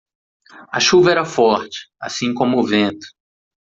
A chuva era forte, assim como o vento.